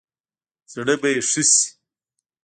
زړه به يې ښه شي.